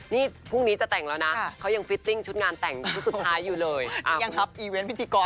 นี่พรุ่งนี้จะแต่งแล้วนะเขายังฟิตติ้งชุดงานแต่งชุดสุดท้ายอยู่เลยยังทับอีเวนต์พิธีกร